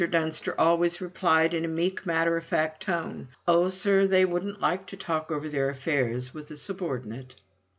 Dunster always replied, in a meek matter of fact tone, "Oh, sir, they wouldn't like to talk over their affairs with a subordinate."